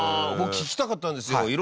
僕聞きたかったんですよ。